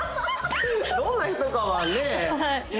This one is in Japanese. どんな人かワンね。